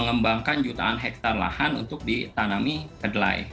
mengembangkan jutaan hektare lahan untuk ditanami kedelai